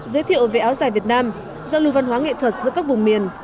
giới thiệu về áo dài việt nam giao lưu văn hóa nghệ thuật giữa các vùng miền